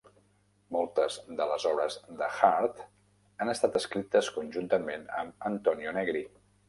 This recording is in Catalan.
Moltes de les obres de Hardt han estat escrites conjuntament amb Antonio Negri.